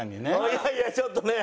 いやいやちょっとね。